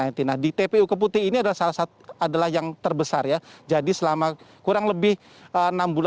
nah di tpu keputih ini adalah yang terbesar ya jadi selama kurang lebih enam bulan